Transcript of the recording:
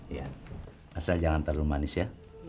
iya asal jangan terlalu manis ya